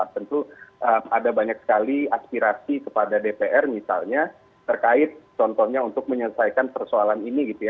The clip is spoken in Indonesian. tentu ada banyak sekali aspirasi kepada dpr misalnya terkait contohnya untuk menyelesaikan persoalan ini gitu ya